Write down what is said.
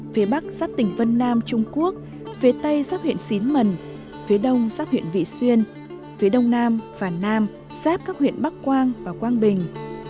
phía bắc sắp tỉnh vân nam trung quốc phía tây sắp huyện xín mần phía đông sắp huyện vị xuyên phía đông nam và nam sắp các huyện bắc quang và quang bình